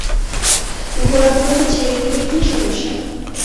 ঘোড়াগুলোকে ছেঁড়ে দিলে কী সমস্যা?